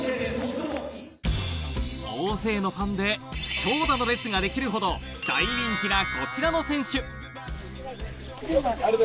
大勢のファンで長蛇の列ができるほど大人気な、こちらの選手。